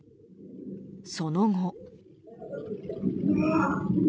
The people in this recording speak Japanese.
その後。